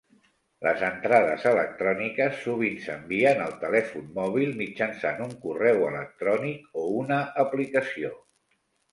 Les entrades electròniques sovint s'envien al telèfon mòbil mitjançant un correu electrònic o una aplicació.